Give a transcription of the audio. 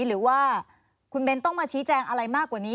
หรือว่าคุณเบ้นต้องมาชี้แจงอะไรมากกว่านี้